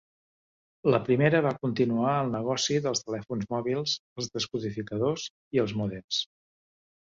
La primera va continuar el negoci dels telèfons mòbils, els descodificadors i els mòdems.